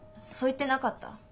そう言ってなかった？